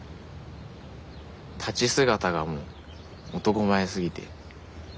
立ち姿がもう男前すぎて。